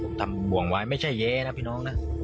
ผมทำห่วงไว้ไม่ใช่เย้นะพี่น้องนะ